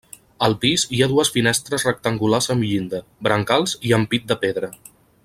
Al pis hi ha dues finestres rectangulars amb llinda, brancals i ampit de pedra.